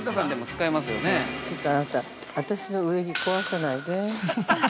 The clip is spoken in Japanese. ちょっとあなた、私の植木、壊さないで。